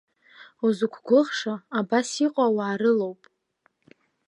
Узықәгәыӷша, абас иҟоу ауаа рылоуп.